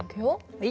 はい。